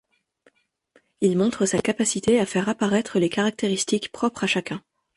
Il montre sa capacité à faire apparaître les caractéristiques propres à chacun.